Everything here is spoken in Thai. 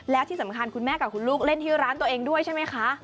แล้วที่สำคัญคุณแม่กับคุณลูกเล่นที่ร้านตัวเองด้วยใช่ไหมคะ